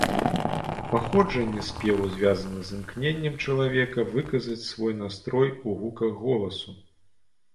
Паходжанне спеву звязана з імкненнем чалавека выказаць свой настрой у гуках голасу.